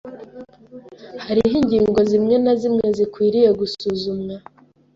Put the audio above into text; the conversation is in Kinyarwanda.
Hariho ingingo zimwe na zimwe zikwiye gusuzumwa.